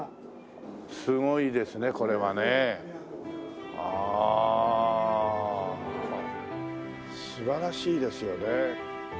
すごいですねこれはね。ああ素晴らしいですよね。